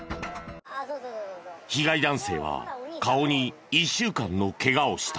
被害男性は顔に１週間のケガをした。